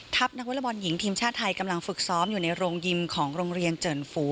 นักวอลบอลหญิงทีมชาติไทยกำลังฝึกซ้อมอยู่ในโรงยิมของโรงเรียนเจิ่นฝู